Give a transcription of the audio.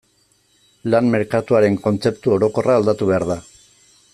Lan merkatuaren kontzeptu orokorra aldatu behar da.